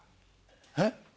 えっ？